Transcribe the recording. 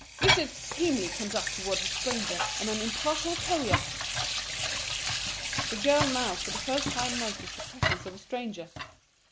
Is this seemly conduct toward a stranger and an imperial courier?" The girl now for the first time noticed the presence of a stranger.